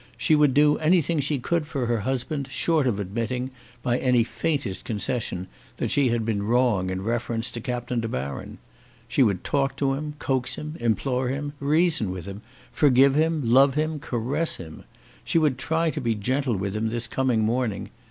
She would do anything she could for her husband short of admitting, by any faintest concession, that she had been wrong in reference to Captain De Baron. She would talk to him, coax him, implore him, reason with him, forgive him, love him, and caress him. She would try to be gentle with him this coming morning.